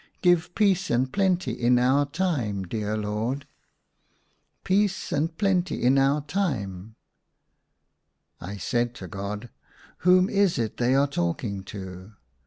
" Give peace and plenty in our time, dear Lord." '* Peace and plenty in our time" I said to God, " Whom is it they are talking to